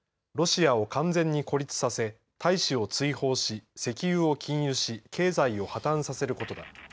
ロシアを完全に孤立させ大使を追放し石油を禁輸し経済を破綻させることだ。